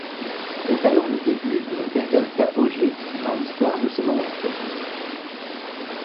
C'est alors le début d'une période d'apogée dans l'histoire de ce monastère.